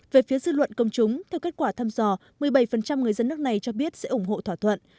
về phía dư luận công chúng theo kết quả thăm dò một mươi bảy người dân nước này cho biết sẽ ủng hộ thỏa thuận